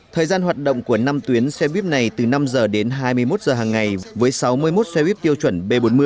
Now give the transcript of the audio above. thời gian hoạt động của năm tuyến xe buýt này từ năm h đến hai mươi một h hàng ngày với sáu mươi một xe buýt tiêu chuẩn b bốn mươi